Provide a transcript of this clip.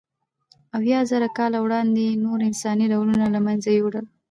اویازره کاله وړاندې یې نور انساني ډولونه له منځه یووړل.